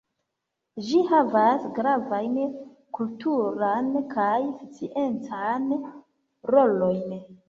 Ĝi havas gravajn kulturan kaj sciencan rolojn.